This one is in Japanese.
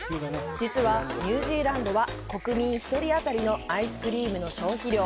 実はニュージーランドは、国民１人当たりのアイスクリームの消費量